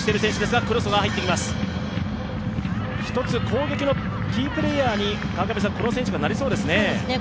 １つ攻撃のキープレーヤーにこの選手がなりそうですね。